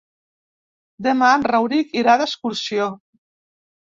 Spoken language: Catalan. Demà en Rauric irà d'excursió.